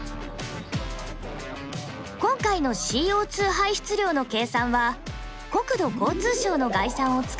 今回のＣＯ排出量の計算は国土交通省の概算を使います。